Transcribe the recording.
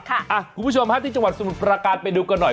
ค่ะคุณผู้ชมห้าที่จังหวัดศูนย์ประกาศไปดูกันหน่อย